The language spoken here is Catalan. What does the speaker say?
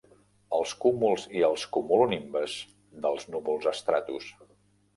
Els cúmuls i els cumulonimbes dels núvols estratus.